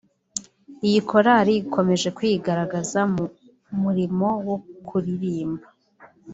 Iyi korali ikomeje kwigaragaza mu murimo wo kuririmba